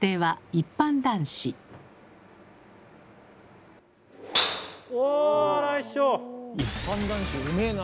一般男子うめえな。